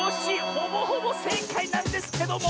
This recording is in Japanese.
ほぼほぼせいかいなんですけども！